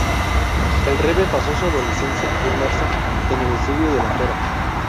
El rebe pasó su adolescencia inmerso en el estudio de la Torá.